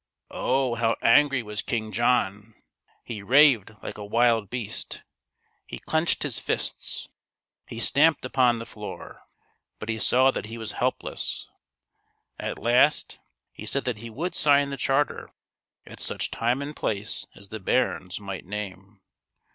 Oh, how angry was King John! He raved like a wild beast ; he clenched his fists ; he stamped upon the floor. But he saw that he was help less. At last he said that he would sign the charter at such time and place as the barons might name.